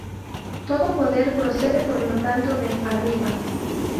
Todo poder procede por lo tanto de "arriba".